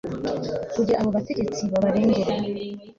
kugira abo bategetsi babarengere